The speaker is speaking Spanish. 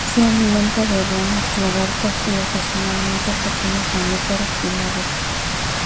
Se alimenta de ranas, lagartos y ocasionalmente pequeños mamíferos y aves.